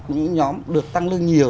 những nhóm được tăng lương nhiều